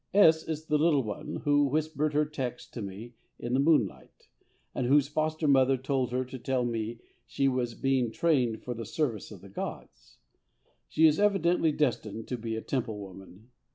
S. This is the little one who whispered her texts to me in the moonlight, and whose foster mother told her to tell me she was being trained for the Service of the gods. She is evidently destined to be a Temple woman.